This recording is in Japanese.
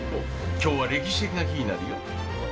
今日は歴史的な日になるよ。